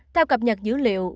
theo cập nhật dữ liệu